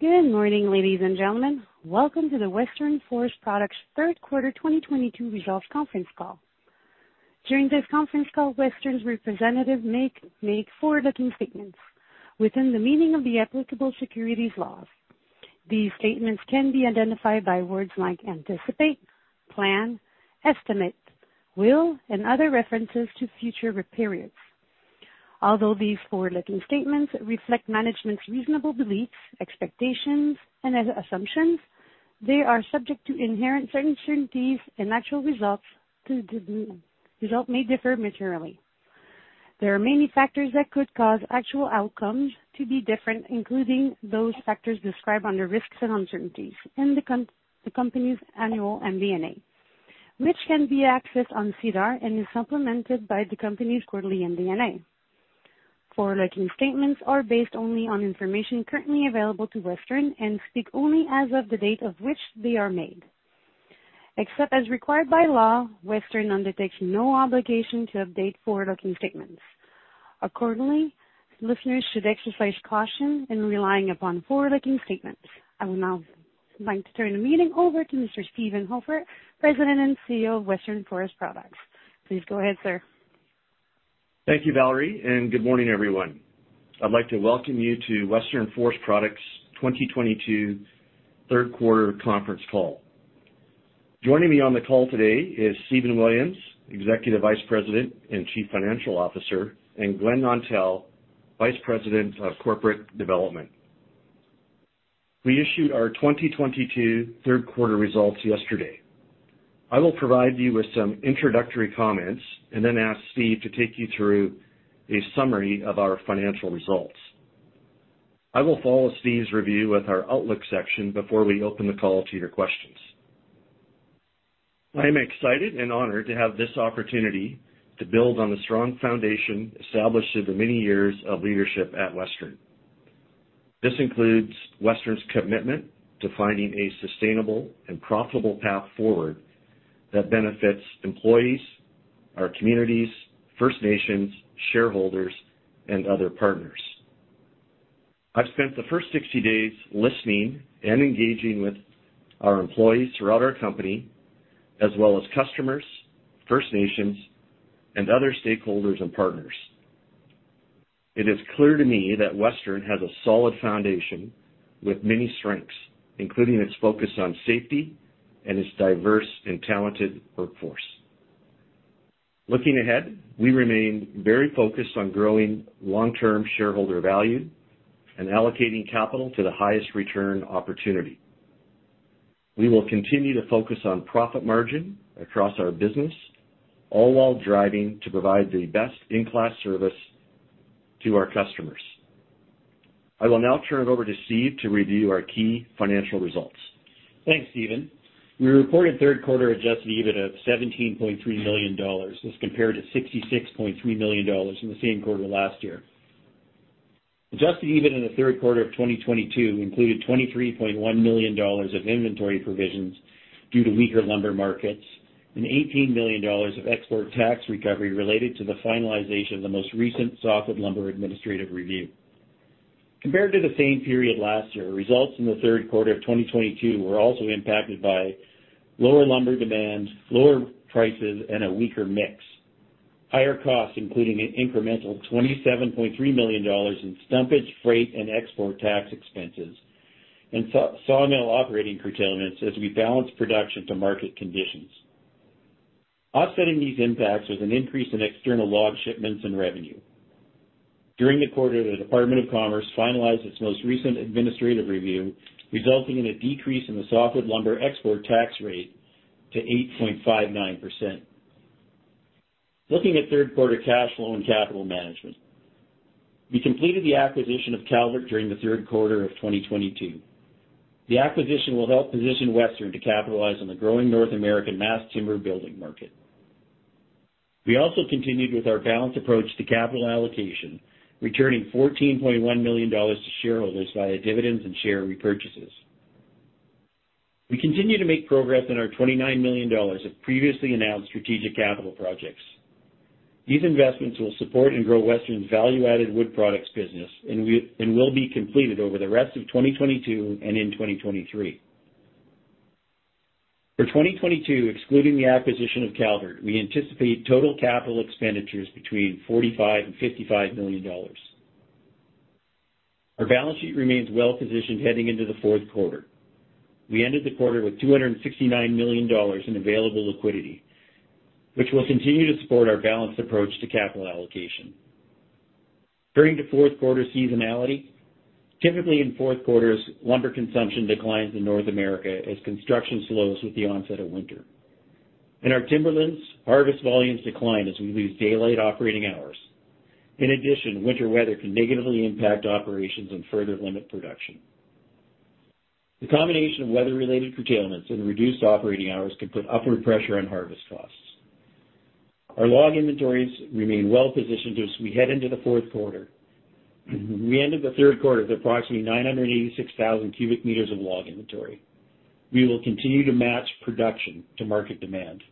Good morning, ladies and gentlemen. Welcome to the Western Forest Products third quarter 2022 results conference call. During this conference call, Western's representatives make forward-looking statements within the meaning of the applicable securities laws. These statements can be identified by words like anticipate, plan, estimate, will, and other references to future periods. Although these forward-looking statements reflect management's reasonable beliefs, expectations, and assumptions, they are subject to inherent uncertainties, and actual results may differ materially. There are many factors that could cause actual outcomes to be different, including those factors described under risks and uncertainties in the company's annual MD&A, which can be accessed on SEDAR and is supplemented by the company's quarterly MD&A. Forward-looking statements are based only on information currently available to Western and speak only as of the date on which they are made. Except as required by law, Western undertakes no obligation to update forward-looking statements. Accordingly, listeners should exercise caution in relying upon forward-looking statements. I would now like to turn the meeting over to Mr. Steven Hofer, President and CEO of Western Forest Products. Please go ahead, sir. Thank you, Valerie, and good morning, everyone. I'd like to welcome you to Western Forest Products 2022 third quarter conference call. Joining me on the call today is Stephen Williams, Executive Vice President and Chief Financial Officer, and Glen Nontell, Vice President of Corporate Development. We issued our 2022 third quarter results yesterday. I will provide you with some introductory comments and then ask Steve to take you through a summary of our financial results. I will follow Steve's review with our outlook section before we open the call to your questions. I am excited and honored to have this opportunity to build on the strong foundation established through the many years of leadership at Western. This includes Western's commitment to finding a sustainable and profitable path forward that benefits employees, our communities, First Nations, shareholders, and other partners. I've spent the first 60 days listening and engaging with our employees throughout our company, as well as customers, First Nations, and other stakeholders and partners. It is clear to me that Western has a solid foundation with many strengths, including its focus on safety and its diverse and talented workforce. Looking ahead, we remain very focused on growing long-term shareholder value and allocating capital to the highest return opportunity. We will continue to focus on profit margin across our business, all while driving to provide the best-in-class service to our customers. I will now turn it over to Steve to review our key financial results. Thanks, Steven. We reported third quarter adjusted EBIT of 17.3 million dollars as compared to 66.3 million dollars in the same quarter last year. Adjusted EBIT in the third quarter of 2022 included 23.1 million dollars of inventory provisions due to weaker lumber markets and 18 million dollars of export tax recovery related to the finalization of the most recent softwood lumber administrative review. Compared to the same period last year, results in the third quarter of 2022 were also impacted by lower lumber demand, lower prices, and a weaker mix. Higher costs, including an incremental 27.3 million dollars in stumpage, freight, and export tax expenses, and sawmill operating curtailments as we balanced production to market conditions. Offsetting these impacts was an increase in external log shipments and revenue. During the quarter, the Department of Commerce finalized its most recent administrative review, resulting in a decrease in the softwood lumber export tax rate to 8.59%. Looking at third quarter cash flow and capital management. We completed the acquisition of Calvert during the third quarter of 2022. The acquisition will help position Western to capitalize on the growing North American mass timber building market. We also continued with our balanced approach to capital allocation, returning 14.1 million dollars to shareholders via dividends and share repurchases. We continue to make progress in our 29 million dollars of previously announced strategic capital projects. These investments will support and grow Western's value-added wood products business and will be completed over the rest of 2022 and in 2023. For 2022, excluding the acquisition of Calvert, we anticipate total capital expenditures between 45 million and 55 million dollars. Our balance sheet remains well-positioned heading into the fourth quarter. We ended the quarter with 269 million dollars in available liquidity, which will continue to support our balanced approach to capital allocation. Turning to fourth quarter seasonality. Typically, in fourth quarters, lumber consumption declines in North America as construction slows with the onset of winter. In our timberlands, harvest volumes decline as we lose daylight operating hours. In addition, winter weather can negatively impact operations and further limit production. The combination of weather-related curtailments and reduced operating hours can put upward pressure on harvest costs. Our log inventories remain well-positioned as we head into the fourth quarter. We ended the third quarter with approximately 986,000 cubic meters of log inventory. We will continue to match production to market demand.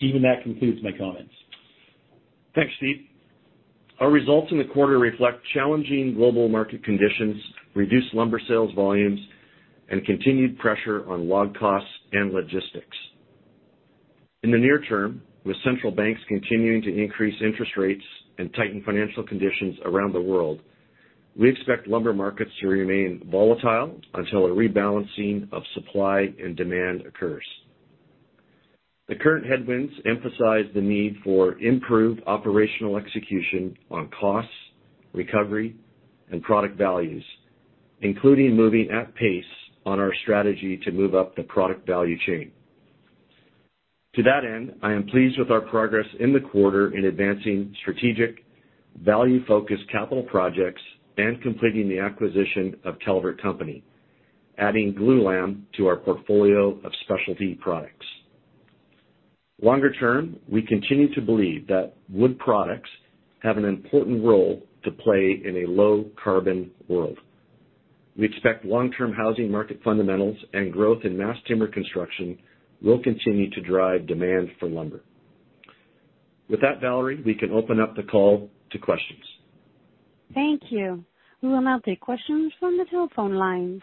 Even that concludes my comments. Thanks, Steve. Our results in the quarter reflect challenging global market conditions, reduced lumber sales volumes, and continued pressure on log costs and logistics. In the near term, with central banks continuing to increase interest rates and tighten financial conditions around the world, we expect lumber markets to remain volatile until a rebalancing of supply and demand occurs. The current headwinds emphasize the need for improved operational execution on costs, recovery, and product values, including moving at pace on our strategy to move up the product value chain. To that end, I am pleased with our progress in the quarter in advancing strategic value-focused capital projects and completing the acquisition of Calvert Company, adding glulam to our portfolio of specialty products. Longer term, we continue to believe that wood products have an important role to play in a low carbon world. We expect long-term housing market fundamentals and growth in mass timber construction will continue to drive demand for lumber. With that, Valerie, we can open up the call to questions. Thank you. We will now take questions from the telephone lines.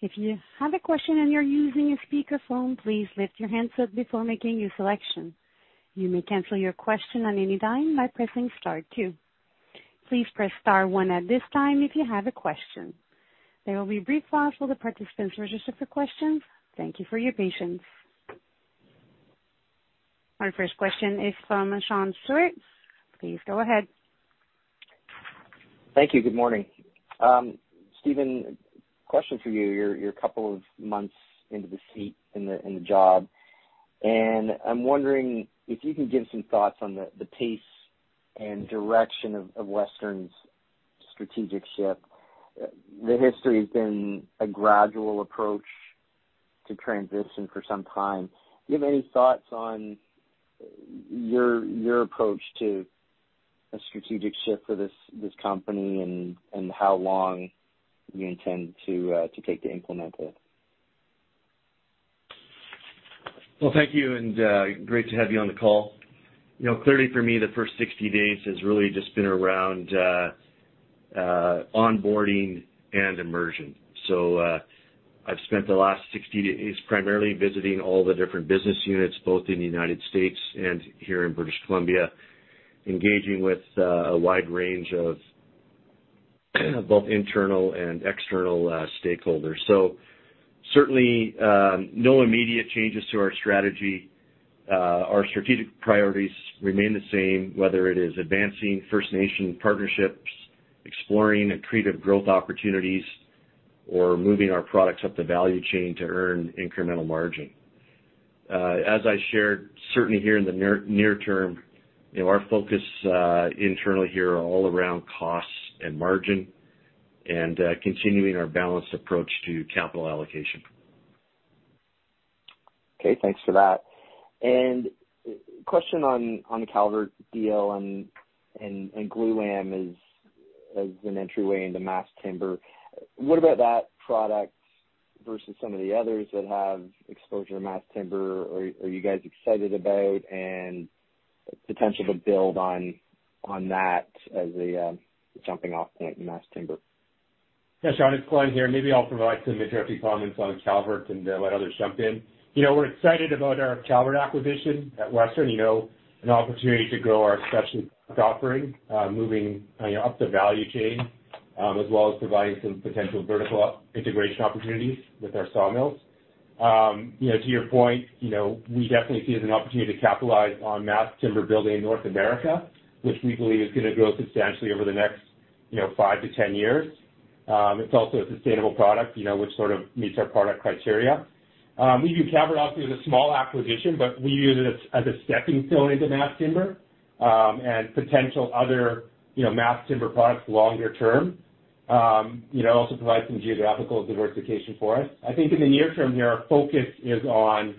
If you have a question and you're using a speakerphone, please lift your handset before making your selection. You may cancel your question at any time by pressing star two. Please press star one at this time if you have a question. There will be a brief pause while the participants register for questions. Thank you for your patience. Our first question is from Sean Steuart. Please go ahead. Thank you. Good morning. Steven, question for you. You're a couple of months into the seat in the job, and I'm wondering if you can give some thoughts on the pace and direction of Western's strategic shift. The history has been a gradual approach to transition for some time. Do you have any thoughts on your approach to a strategic shift for this company and how long you intend to take to implement it? Well, thank you and, great to have you on the call. You know, clearly for me, the first 60 days has really just been around, onboarding and immersion. I've spent the last 60 days primarily visiting all the different business units, both in the United States and here in British Columbia, engaging with a wide range of both internal and external stakeholders. Certainly, no immediate changes to our strategy. Our strategic priorities remain the same, whether it is advancing First Nation partnerships, exploring accretive growth opportunities, or moving our products up the value chain to earn incremental margin. As I shared certainly here in the near term, you know, our focus internally here are all around costs and margin and continuing our balanced approach to capital allocation. Okay, thanks for that. Question on the Calvert deal and glulam as an entryway into mass timber. What about that product versus some of the others that have exposure to mass timber? Are you guys excited about and potential to build on that as a jumping off point in mass timber? Yeah, Sean, it's Glen here. Maybe I'll provide some introductory comments on Calvert and let others jump in. You know, we're excited about our Calvert acquisition at Western. You know, an opportunity to grow our specialty product offering, moving, you know, up the value chain, as well as providing some potential vertical integration opportunities with our sawmills. You know, to your point, you know, we definitely see it as an opportunity to capitalize on mass timber building in North America, which we believe is gonna grow substantially over the next, you know, five to 10 years. It's also a sustainable product, you know, which sort of meets our product criteria. We view Calvert obviously as a small acquisition, but we view it as a stepping stone into mass timber, and potential other, you know, mass timber products longer term. You know, also provide some geographical diversification for us. I think in the near term here, our focus is on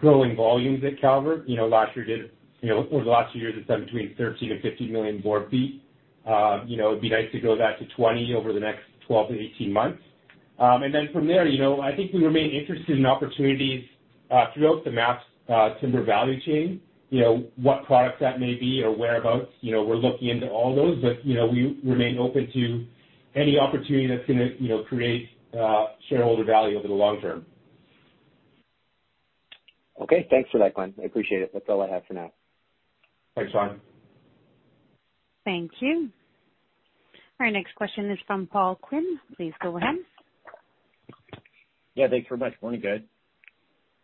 growing volumes at Calvert. You know, over the last few years, it's done between 13-15 million board feet. You know, it'd be nice to grow that to 20 over the next 12-18 months. From there, you know, I think we remain interested in opportunities throughout the mass timber value chain. You know, what products that may be or whereabouts, you know, we're looking into all those. You know, we remain open to any opportunity that's gonna create shareholder value over the long term. Okay. Thanks for that, Glen. I appreciate it. That's all I have for now. Thanks, Sean. Thank you. Our next question is from Paul Quinn. Please go ahead. Yeah, thanks very much. Morning, guys.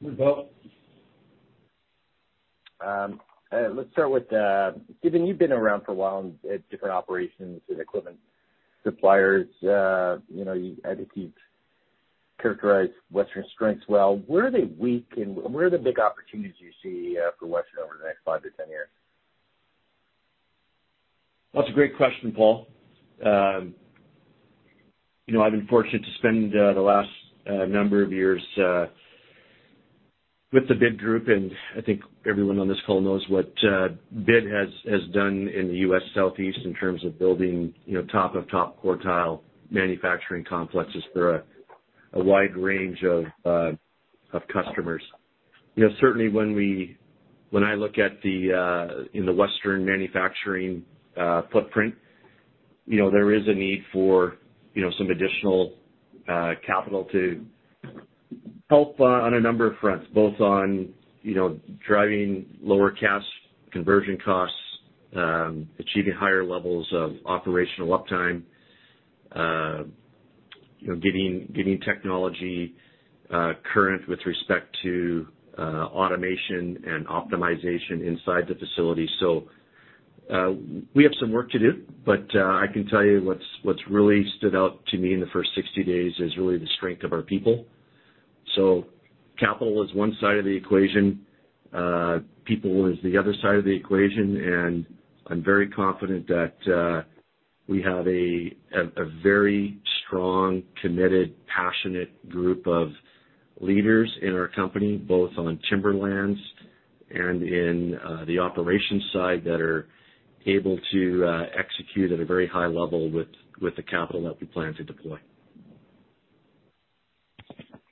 Morning, Paul. Let's start with Steven. You've been around for a while and at different operations and equipment suppliers. You know, I think you've characterized Western's strengths well. Where are they weak, and where are the big opportunities you see for Western over the next five-10 years? Well, it's a great question, Paul. You know, I've been fortunate to spend the last number of years with the BID Group, and I think everyone on this call knows what BID has done in the U.S. Southeast in terms of building, you know, top of top quartile manufacturing complexes for a wide range of customers. You know, certainly when I look at the Western manufacturing footprint, you know, there is a need for, you know, some additional capital to help on a number of fronts, both on, you know, driving lower costs, conversion costs, achieving higher levels of operational uptime, you know, getting technology current with respect to automation and optimization inside the facility. We have some work to do, but I can tell you what's really stood out to me in the first 60 days is really the strength of our people. Capital is one side of the equation, people is the other side of the equation, and I'm very confident that we have a very strong, committed, passionate group of leaders in our company, both on Timberlands and in the operations side, that are able to execute at a very high level with the capital that we plan to deploy.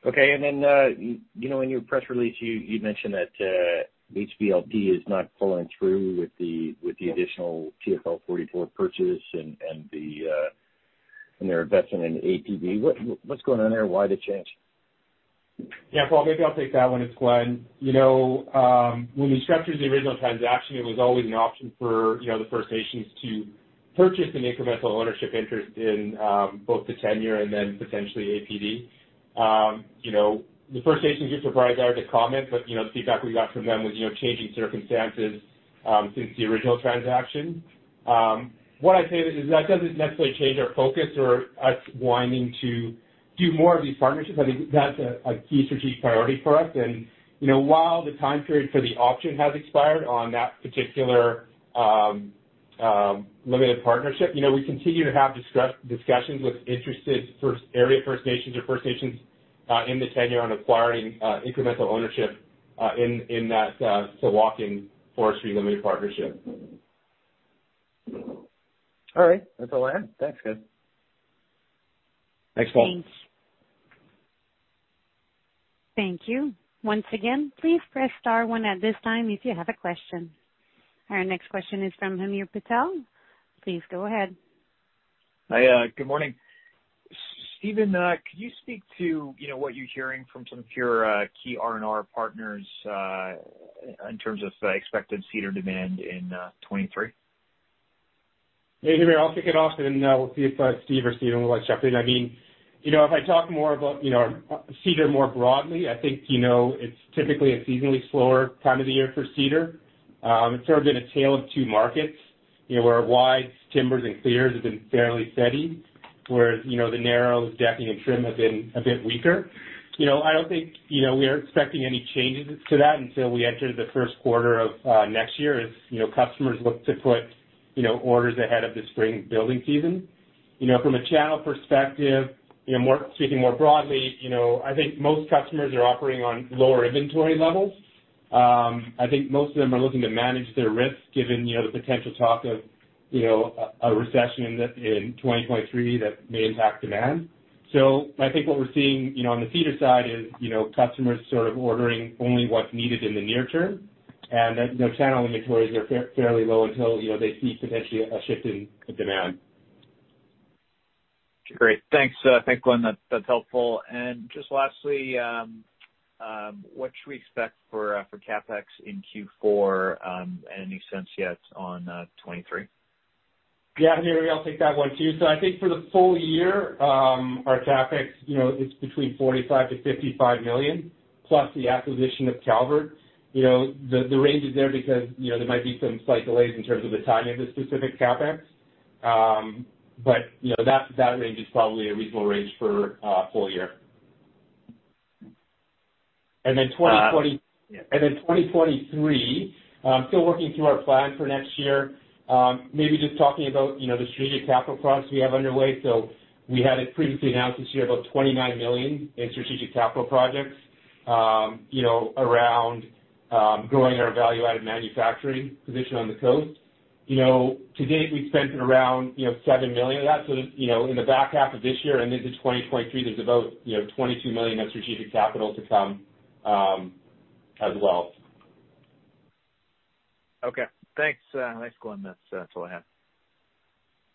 Okay. You know, in your press release, you mentioned that HVLP is not pulling through with the additional TFL 44 purchase and their investment in APD. What's going on there? Why the change? Yeah, Paul, maybe I'll take that one. It's Glen. You know, when we structured the original transaction, it was always an option for, you know, the First Nations to purchase an incremental ownership interest in, both the tenure and then potentially APD. You know, the First Nations were surprised I had to comment, but, you know, the feedback we got from them was, you know, changing circumstances, since the original transaction. What I'd say is that doesn't necessarily change our focus or us wanting to do more of these partnerships. I think that's a key strategic priority for us. you know, while the time period for the option has expired on that particular limited partnership, you know, we continue to have discussions with interested area First Nations or First Nations in the tenure on acquiring incremental ownership in that C̕awak ʔqin Forestry Limited Partnership. All right. That's all I have. Thanks, guys. Thanks, Paul. Thanks. Thank you. Once again, please press star one at this time if you have a question. Our next question is from Hamir Patel. Please go ahead. Hi. Good morning. Stephen, could you speak to, you know, what you're hearing from some of your key R&R partners, in terms of expected cedar demand in 2023? Yeah, Hamir, I'll kick it off, and we'll see if Steve or Stephen would like to jump in. I mean, you know, if I talk more about, you know, cedar more broadly, I think, you know, it's typically a seasonally slower time of the year for cedar. It's sort of been a tale of two markets, you know, where wides, timbers and clears have been fairly steady, whereas, you know, the narrows, decking and trim have been a bit weaker. You know, I don't think, you know, we're expecting any changes to that until we enter the first quarter of next year as, you know, customers look to put, you know, orders ahead of the spring building season. You know, from a channel perspective, you know, speaking more broadly, you know, I think most customers are operating on lower inventory levels. I think most of them are looking to manage their risk given, you know, the potential talk of, you know, a recession in 2023 that may impact demand. I think what we're seeing, you know, on the Cedar side is, you know, customers sort of ordering only what's needed in the near term, and then, you know, channel inventories are fairly low until, you know, they see potentially a shift in demand. Great. Thanks. Thanks, Glen. That's helpful. Just lastly, what should we expect for CapEx in Q4? Any sense yet on 2023? Yeah, Hamir, I'll take that one too. I think for the full year, our CapEx, you know, it's between 45 million-55 million plus the acquisition of Calvert. You know, the range is there because, you know, there might be some slight delays in terms of the timing of the specific CapEx. You know, that range is probably a reasonable range for full year. Uh- And then 2023, still working through our plan for next year. Maybe just talking about, you know, the strategic capital products we have underway. We had previously announced this year about 29 million in strategic capital projects, you know, around growing our value-added manufacturing position on the coast. You know, to date, we've spent around, you know, 7 million of that. You know, in the back half of this year and into 2023, there's about, you know, 22 million of strategic capital to come, as well. Okay. Thanks. Thanks, Glen. That's all I have.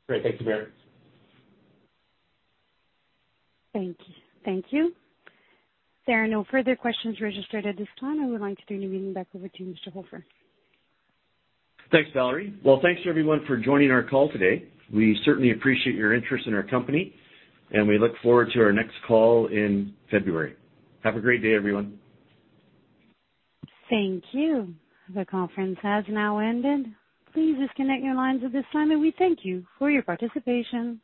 Great. Thanks, Hamir. Thank you. There are no further questions registered at this time. I would like to turn the meeting back over to Mr. Hofer. Thanks, Valerie. Well, thanks to everyone for joining our call today. We certainly appreciate your interest in our company, and we look forward to our next call in February. Have a great day, everyone. Thank you. The conference has now ended. Please disconnect your lines at this time, and we thank you for your participation.